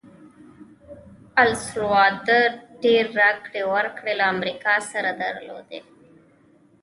السلوادور ډېرې راکړې ورکړې له امریکا سره درلودې.